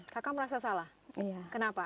kaka merasa salah kenapa